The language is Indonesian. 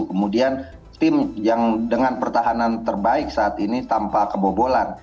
kemudian tim yang dengan pertahanan terbaik saat ini tanpa kebobolan